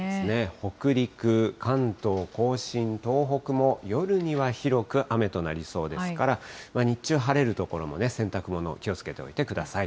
北陸、関東甲信、東北も夜には広く雨となりそうですから、日中、晴れる所もね、洗濯物、気をつけておいてください。